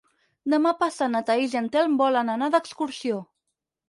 Demà passat na Thaís i en Telm volen anar d'excursió.